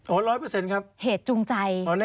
โอ้ย๑๐๐ครับแน่นอนครับเหตุจูงใจ